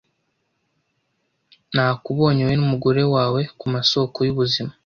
Nakubonye wowe n'umugore wawe Ku masoko y'ubuzima